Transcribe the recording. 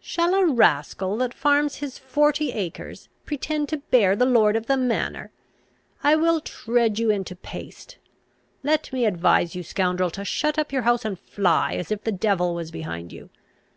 Shall a rascal that farms his forty acres, pretend to beard the lord of the manor? I will tread you into paste! Let me advise you, scoundrel, to shut up your house and fly, as if the devil was behind you!